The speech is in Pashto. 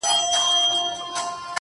لاس يې د ټولو کايناتو آزاد، مړ دي سم,